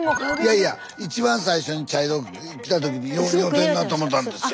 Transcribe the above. いやいや一番最初に茶色着た時によう似合てんなと思たんですよ。